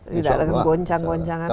tidak ada goncang goncangan